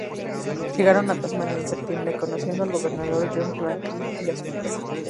Llegaron a Tasmania en septiembre, conociendo al gobernador John Franklin y a su mujer.